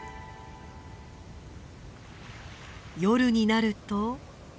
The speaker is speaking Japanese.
夜になると。